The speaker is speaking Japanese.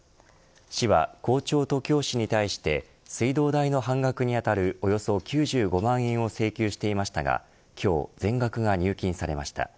市は、校長と教師に対して水道代の半額に当たるおよそ９５万円を請求していましたが今日、全額が入金されました。